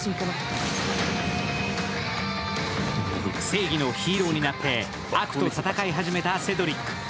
正義のヒーローになって悪と戦い始めたセドリック。